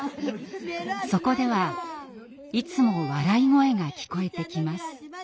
そこではいつも笑い声が聞こえてきます。